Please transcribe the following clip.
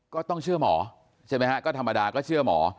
ก็ต้องเชื่อหมอใช่ไหมฮะก็ธรรมดาก็เชื่อหมอ